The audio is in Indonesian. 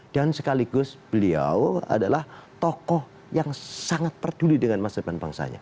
dan sekaligus beliau adalah tokoh yang sangat peduli dengan masyarakat dan bangsa